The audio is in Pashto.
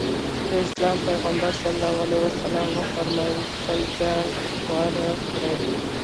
د اسلام پيغمبر ص وفرمايل خپل ځان خوار کړي.